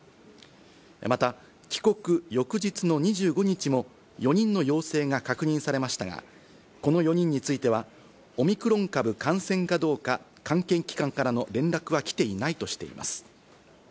また、帰国翌日の２５日も４人の陽性が確認されましたが、この４人についてはオミクロン株感染かどうか関係機関からの連絡はきていないとしています。